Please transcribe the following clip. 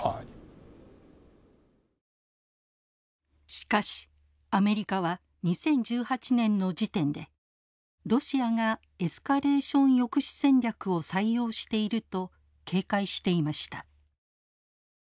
しかしアメリカは２０１８年の時点でロシアがエスカレーション抑止戦略を採用していると警戒していました。